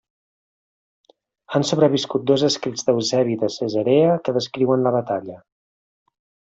Han sobreviscut dos escrits d'Eusebi de Cesarea que descriuen la batalla.